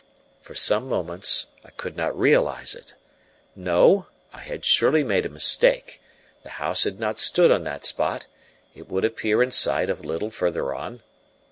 For some moments I could not realize it. No, I had surely made a mistake, the house had not stood on that spot; it would appear in sight a little further on.